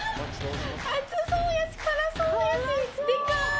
熱そうやし辛そうやしでかい。